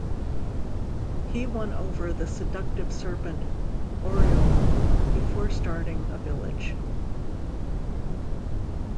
He won over the seductive serpent Oriol before starting a village.